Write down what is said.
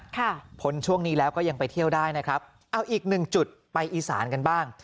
ผลช่วงนี้แล้วก็ยังไปเที่ยวได้นะครับเอาอีกหนึ่งจุดไปอีสานกันบ้าง